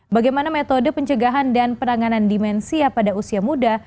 bagaimana metode pencegahan dan penanganan dimensia pada usia muda